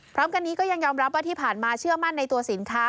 พร้อมกันนี้ก็ยังยอมรับว่าที่ผ่านมาเชื่อมั่นในตัวสินค้า